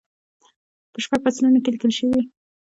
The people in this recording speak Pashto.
په شپږو فصلونو کې لیکل شوې.